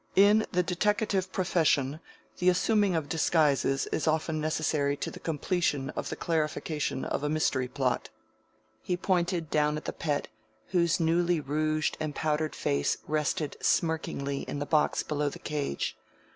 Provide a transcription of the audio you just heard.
"In the deteckative profession the assuming of disguises is often necessary to the completion of the clarification of a mystery plot." He pointed down at the Pet, whose newly rouged and powdered face rested smirkingly in the box below the cage.